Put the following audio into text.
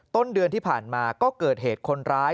ต้นเดือนที่ผ่านมาก็เกิดเหตุคนร้าย